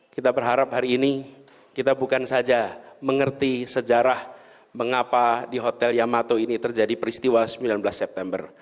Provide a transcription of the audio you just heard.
kita berharap hari ini kita bukan saja mengerti sejarah mengapa di hotel yamato ini terjadi peristiwa sembilan belas september